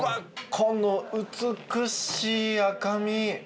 この美しい赤身。